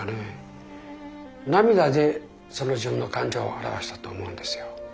涙でその自分の感情を表したと思うんですよ。